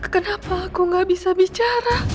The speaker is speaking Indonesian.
kenapa aku gak bisa bicara